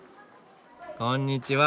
こんにちは！